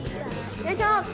よいしょ！